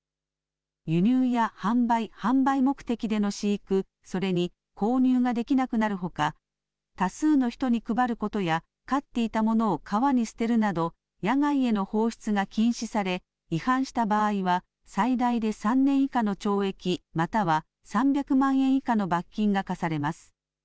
輸入や販売、販売目的での飼育、それに購入ができなくなるほか多数の人に配ることや飼っていたものを川に捨てるなど野外への放出が禁止され違反した場合は最大で３年以下の懲役、または３００万円以下の罰金が科されます。